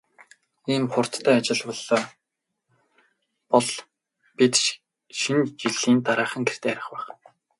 Ийм хурдтай ажиллавал бол бид Шинэ жилийн дараахан гэртээ харих байх.